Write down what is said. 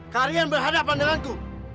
kalian berhadapan denganku